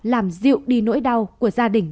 làm dịu đi nỗi đau của gia đình